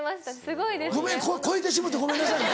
ごめん超えてしもうてごめんなさいね。